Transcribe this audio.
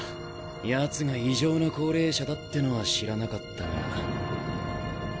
ヤツが異常な高齢者だってのは知らなかったが。